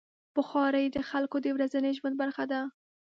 بخاري د خلکو د ورځني ژوند برخه ده.